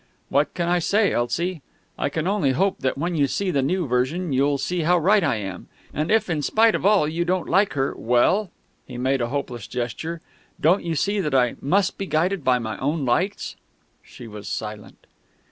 "What can I say, Elsie? I can only hope that when you see the new version, you'll see how right I am. And if in spite of all you don't like her, well ..." he made a hopeless gesture. "Don't you see that I must be guided by my own lights?" She was silent.